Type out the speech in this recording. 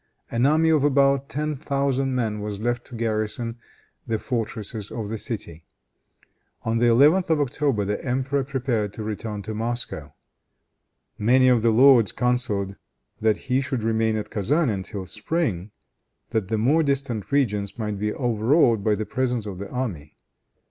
An army of about ten thousand men was left to garrison the fortresses of the city. On the 11th of October the emperor prepared to return to Moscow. Many of the lords counseled that he should remain at Kezan until spring, that the more distant regions might be overawed by the presence of the army.